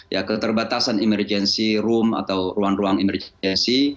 ya keterbatasan emergency room atau ruang ruang emergency